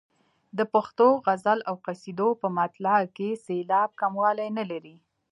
د پښتو غزل او قصیدو په مطلع کې سېلاب کموالی نه لري.